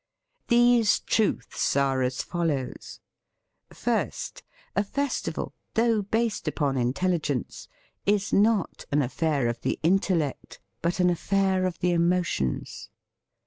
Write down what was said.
These truths are as fol lows: — First, a festival, though based upon intelligence, is not an affair of the intellect, but an affair of the emotions.